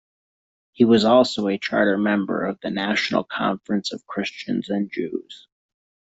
He was also a charter member of the National Conference of Christians and Jews.